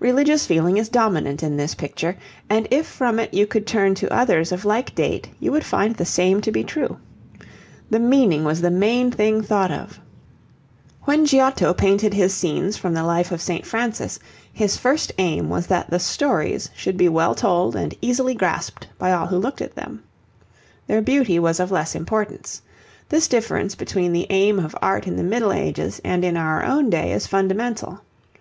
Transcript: Religious feeling is dominant in this picture, and if from it you could turn to others of like date, you would find the same to be true. The meaning was the main thing thought of. When Giotto painted his scenes from the life of St. Francis, his first aim was that the stories should be well told and easily grasped by all who looked at them. Their beauty was of less importance. This difference between the aim of art in the Middle Ages and in our own day is fundamental.